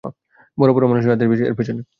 বড় বড় মানুষের হাত আছে এর পিছনে।